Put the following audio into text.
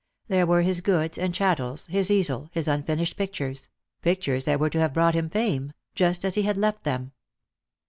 There were his goods and chat tels, his easel, his unfinished pictures — pictures that were to have brought him fame — just as he had left them.